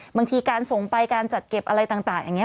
บางทีการส่งไปการจัดเก็บอะไรต่างอย่างนี้